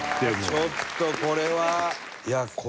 ちょっとこれは。